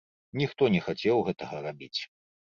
Ніхто не хацеў гэтага рабіць.